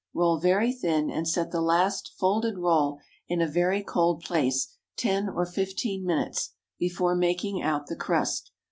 Roll very thin, and set the last folded roll in a very cold place ten or fifteen minutes before making out the crust.